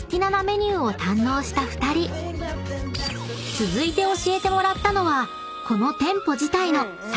［続いて教えてもらったのはこの］